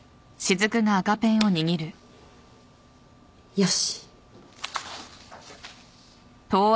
よし。